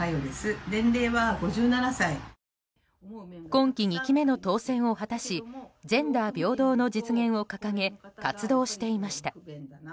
今期２期目の当選を果たしジェンダー平等の実現を掲げ活動していました。